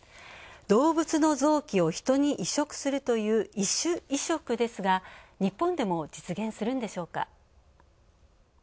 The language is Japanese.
動物の臓器を人に移植するという異種移植ですが、日本でも実現するんでしょうか。